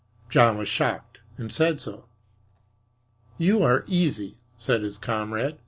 John was shocked, and said so. "You are easy," said his comrade.